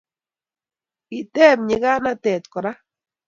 kiteb nyikanatet kora